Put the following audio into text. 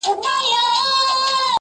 درد له نسل څخه تېرېږي تل,